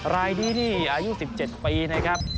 รายนี้นี่อายุ๑๗ปีนะครับ